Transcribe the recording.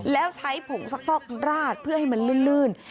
แล้วใช้ผงซักฟอกราดเพื่อให้มันลื่น